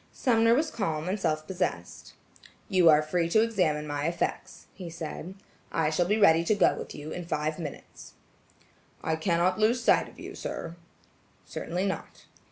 Sumner was calm and self possessed. "You are free to examine my effects," he said. "I shall be ready to go with you in five minutes." "I cannot lose sight of you, sir." "Certainly not."